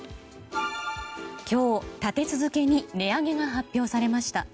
今日、立て続けに値上げが発表されました。